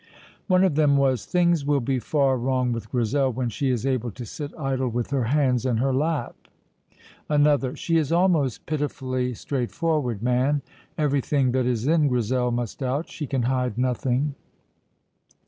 One of them was: "Things will be far wrong with Grizel when she is able to sit idle with her hands in her lap." Another: "She is almost pitifully straightforward, man. Everything that is in Grizel must out. She can hide nothing."